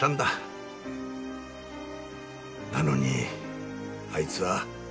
なのにあいつは。